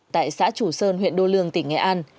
tại xã chủ sơn huyện đô lương tỉnh nghệ an